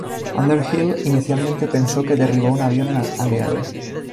Underhill inicialmente pensó que derribó un avión aliado.